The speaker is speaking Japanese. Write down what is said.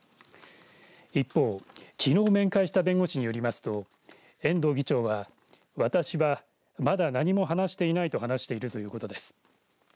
一方、きのう面会した弁護士によりますと遠藤議長は、私はまだ何も話していないと話しているということです。